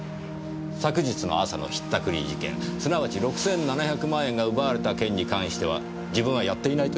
昨日の朝の引ったくり事件すなわち６７００万円が奪われた件に関しては自分はやっていないと言っているわけですね。